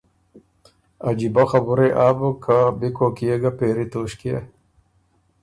عجیبۀ خبُره يې آ بُک که بی کوک کی يې ګه پېری توݭکيې